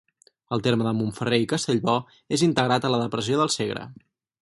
El terme de Montferrer i Castellbò és integrat a la depressió del Segre.